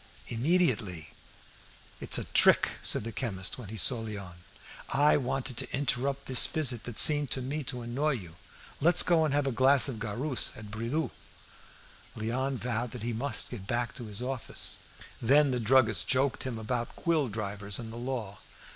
"Immediately." "It's a trick," said the chemist, when he saw Léon. "I wanted to interrupt this visit, that seemed to me to annoy you. Let's go and have a glass of garus at Bridoux'." Léon vowed that he must get back to his office. Then the druggist joked him about quill drivers and the law.